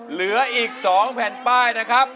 เหลืออีก๒แผ่นป้ายนะครับ